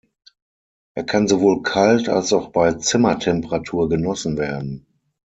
Er kann sowohl kalt als auch bei Zimmertemperatur genossen werden.